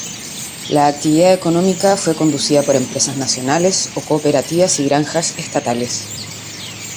La actividad económica fue conducida por empresas nacionales o cooperativas y granjas estatales.